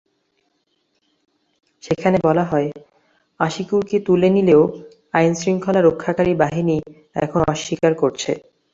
সেখানে বলা হয়, আশিকুরকে তুলে নিলেও আইনশৃঙ্খলা রক্ষাকারী বাহিনী এখন অস্বীকার করছে।